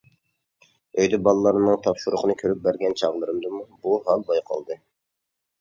ئۆيدە بالىلارنىڭ تاپشۇرۇقىنى كۆرۈپ بەرگەن چاغلىرىمدىمۇ بۇ ھال بايقالدى.